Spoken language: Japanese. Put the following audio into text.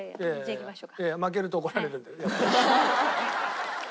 いきましょう。